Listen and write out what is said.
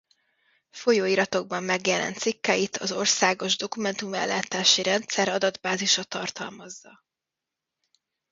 Folyóiratokban megjelent cikkeit az Országos Dokumentum-ellátási Rendszer adatbázisa tartalmazza.